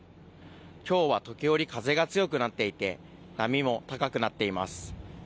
きょうは時折、風が強くなっていて、波も高くなっています。